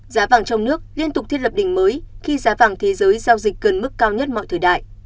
giá vàng trong nước liên tục thiết lập đỉnh mới khi giá vàng thế giới giao dịch gần mức cao nhất mọi thời đại